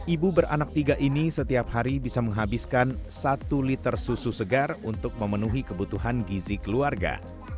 ibu beranak tiga ini setiap hari bisa menghabiskan satu liter susu segar untuk memenuhi kebutuhan gizi keluarga